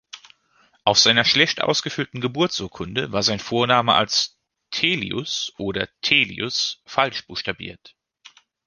Auf seiner schlecht ausgefüllten Geburtsurkunde war sein Vorname als „Thelious“ oder „Thelius“ falsch buchstabiert.